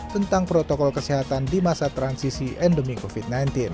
tentang protokol kesehatan di masa transisi endemi covid sembilan belas